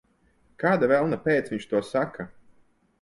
Kāda velna pēc viņš to saka?